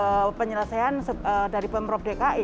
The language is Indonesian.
ini tidak mudah buat penyelesaian dari pemprov dki